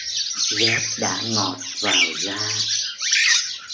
Rét đã ngọt vào da